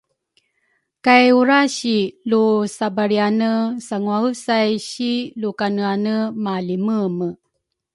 kay urasi lu sabaliane sanguaesai si lu kaneane malimeme.